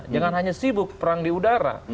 jangan hanya sibuk perang di udara